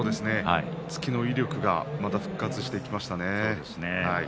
突きの威力が復活してきましたね。